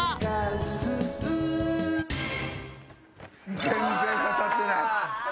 「ウフフ」全然刺さってない。